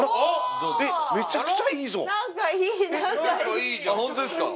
めちゃくちゃいいぞ。